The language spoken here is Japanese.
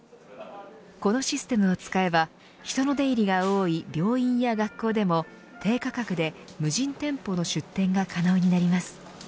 このシステムを使えば人の出入りが多い病院や学校でも低価格で無人店舗の出店が可能になります。